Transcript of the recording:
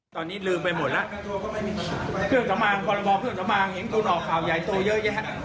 ตอนนี้ลืมไปหมดละเพื่องสม่างพรพสม่างเห็นคุณออกข่าวใหญ่โตเยอะแยะ